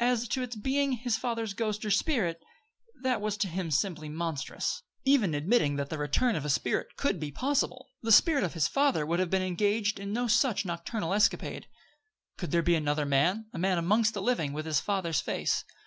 As to its being his father's ghost or spirit, that was to him simply monstrous. Even admitting that the return of a spirit could be possible, the spirit of his father would have been engaged in no such nocturnal escapade. Could there be another man a man amongst the living with his father's face?